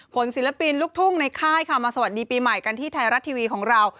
ศิลปินลูกทุ่งในค่ายค่ะมาสวัสดีปีใหม่กันที่ไทยรัฐทีวีของเรา